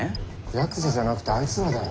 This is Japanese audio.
ヤクザじゃなくてあいつらだよ。